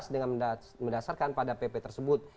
dengan mendasarkan pada pp tersebut